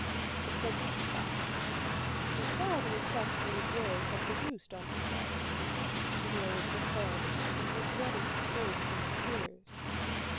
The prince stopped. He saw the effect these words had produced on his daughter. She lowered her head and was ready to burst into tears.